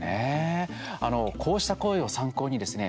こうした声を参考にですね